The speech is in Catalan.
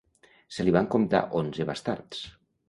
Se li van comptar onze bastards.